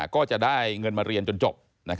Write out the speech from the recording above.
ก็จะได้เงินมาเรียนจนจบ